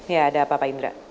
ya ada apa pak indra